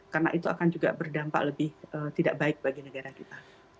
karena itu akan juga berdampak lebih tidak baik bagi negara kita